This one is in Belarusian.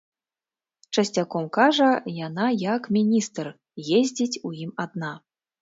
Часцяком, кажа, яна, як міністр, ездзіць у ім адна.